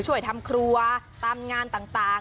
ช่วยทำครัวตามงานต่าง